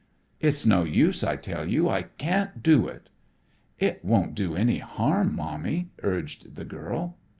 "It's no use, I tell you. I can't do it." "It won't do any harm, Mommy," urged the girl.